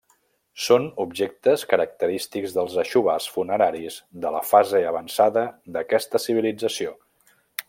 Són objectes característics dels aixovars funeraris de la fase avançada d'aquesta civilització.